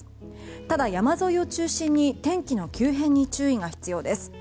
ただ、山沿いを中心に天気の急変に注意が必要です。